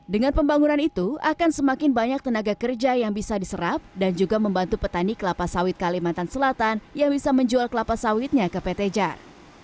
dengan pembangunan itu akan semakin banyak tenaga kerja yang bisa diserap dan juga membantu petani kelapa sawit kalimantan selatan yang bisa menjual kelapa sawitnya ke pt jar